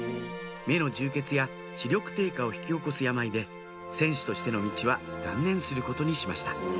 目の充血や視力低下を引き起こす病で選手としての道は断念することにしました